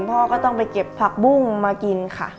พ่อก็ต้องไปเก็บผักบุ้งมากินค่ะ